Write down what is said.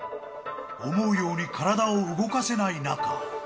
思うように体を動かせない中。